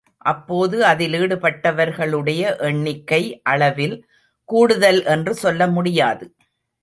அப்போது அதில் ஈடுபட்டவர்களுடைய எண்ணிக்கை அளவில் கூடுதல் என்று சொல்ல முடியாது.